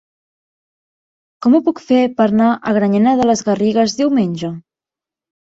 Com ho puc fer per anar a Granyena de les Garrigues diumenge?